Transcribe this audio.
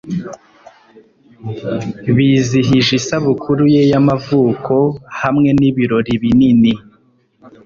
Bizihije isabukuru ye y'amavuko hamwe n'ibirori binini